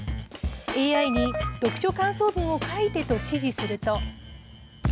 ＡＩに読書感想文を書いてと指示すると。